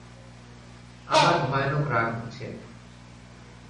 আমার ভয়ানক রাগ হচ্ছে।